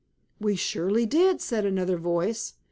"We surely did," said another voice.